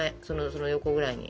その横ぐらいに。